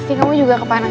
tentu saya itu benar